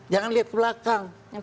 jangan lihat ke belakang